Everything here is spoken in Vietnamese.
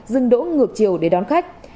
dừng đỗ ngược chiều để đón khách